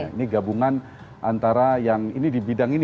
ini gabungan antara yang ini di bidang ini